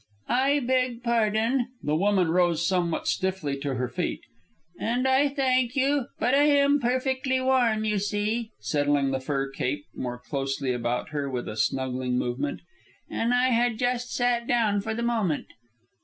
"I beg pardon." The woman rose somewhat stiffly to her feet. "And I thank you, but I am perfectly warm, you see" (settling the fur cape more closely about her with a snuggling movement), "and I had just sat down for the moment."